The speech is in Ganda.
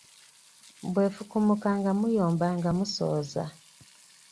Bw'efukumuka nga muyomba nga musooza.